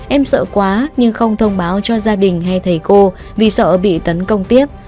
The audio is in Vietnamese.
em sợ quá nhưng không thông báo cho gia đình hay thầy cô vì sợ bị tấn công tiếp